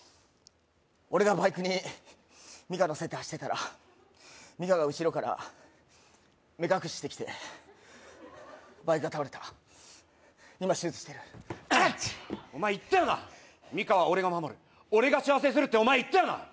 俺がバイクにミカ乗せて走ってたらミカが後ろから目隠ししてきてバイクが倒れた今手術してるお前言ったよなミカは俺が守る俺が幸せにするってお前言ったよな？